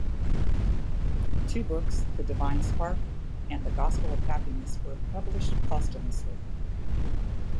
Two books, "The Divine Spark" and "The Gospel of Happiness" were published posthumously.